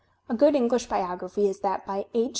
A good English biography is that by H.